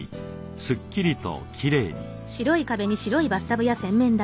すっきりときれいに。